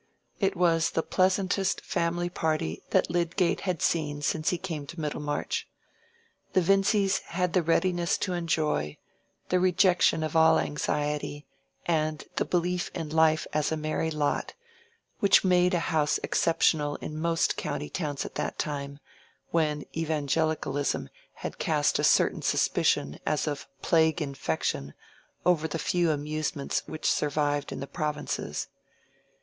It was the pleasantest family party that Lydgate had seen since he came to Middlemarch. The Vincys had the readiness to enjoy, the rejection of all anxiety, and the belief in life as a merry lot, which made a house exceptional in most county towns at that time, when Evangelicalism had cast a certain suspicion as of plague infection over the few amusements which survived in the provinces.